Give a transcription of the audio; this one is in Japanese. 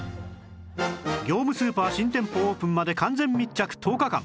業務スーパー新店舗オープンまで完全密着１０日間